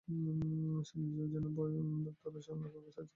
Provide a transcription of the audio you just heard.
সে নিজেও যেমন ভয়-তরাসে, অন্যকেও তাই করতে চায়।